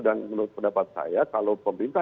menurut pendapat saya kalau pemerintah